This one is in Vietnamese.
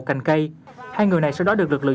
cây hai người này sau đó được lực lượng